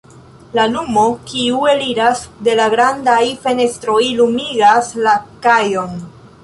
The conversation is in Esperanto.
La lumo, kiu eliras de la grandaj fenestroj lumigas la kajon.